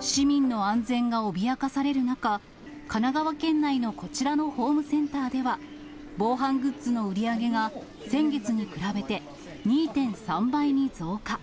市民の安全が脅かされる中、神奈川県内のこちらのホームセンターでは、防犯グッズの売り上げが先月に比べて、２．３倍に増加。